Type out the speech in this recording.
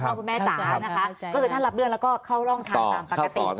คุณแม่จ๋านะคะก็คือท่านรับเรื่องแล้วก็เข้าร่องทางตามปกติ